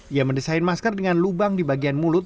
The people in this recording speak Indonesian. ia mendesain masker dengan lubang di bagian mulut